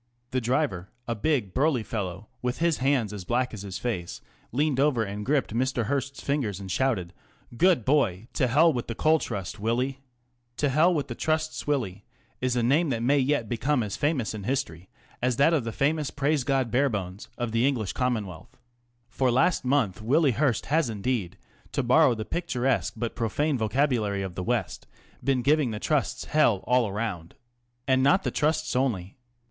The driver, a big, burly feliow, with his hands as A Characteristic Portrait ulack as his face, le aned over and gripped Mr. Hearst's fingers and shouted, " Good boy ! To hell with the Coal Trust, Willie !"" To Hell with the Trusts Willie !" is a name that may yet become as famous in history as that of the famous Praise God Barebones of the English Com monwealth. For last month Willie Hearst has indeed ŌĆö to borrow the picturesque but profane vocabulary of the WestŌĆö been giving the Trusts hell all round. And not the Trusts only.